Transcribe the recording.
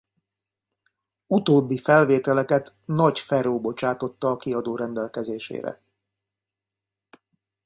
Utóbbi felvételeket Nagy Feró bocsátotta a kiadó rendelkezésére.